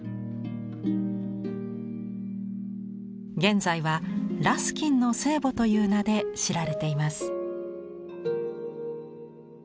現在は「ラスキンの聖母」という名で知られています。